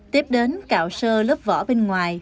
tiếp đến cạo sơ lớp vỏ bên ngoài